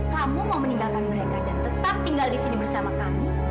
kamu mau meninggalkan mereka dan tetap tinggal di sini bersama kami